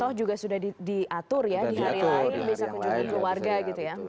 toh juga sudah diatur ya di hari lain bisa kunjungan keluarga gitu ya